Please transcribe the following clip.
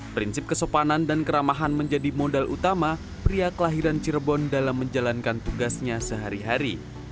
prinsip kesopanan dan keramahan menjadi modal utama pria kelahiran cirebon dalam menjalankan tugasnya sehari hari